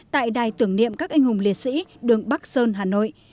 tại đài tưởng niệm các anh hùng liệt sĩ đường bắc sơn hà nội